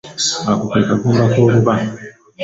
Ako ke kagumba k'oluba.